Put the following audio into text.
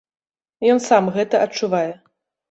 Ён сам гэта адчувае.